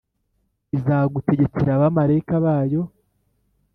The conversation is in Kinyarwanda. “Izagutegekera abamarayika bayo,